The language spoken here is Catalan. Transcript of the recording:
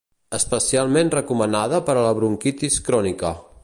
Especialment recomanada per a la bronquitis crònica.